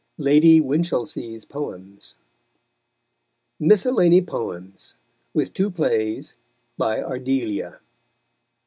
LADY WINCHILSEA'S POEMS MISCELLANY POEMS. _With Two Plays. By Ardelia.